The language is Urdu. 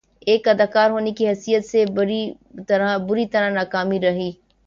ایک اداکار ہونے کی حیثیت سے بری طرح ناکام رہی